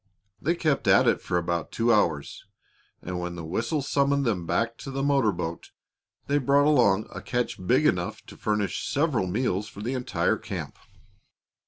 They kept at it for about two hours, and when the whistle summoned them back to the motor boat they brought along a catch big enough to furnish several meals for the entire camp.